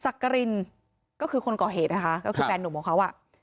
กรินก็คือคนก่อเหตุนะคะก็คือแฟนหนุ่มของเขาอ่ะ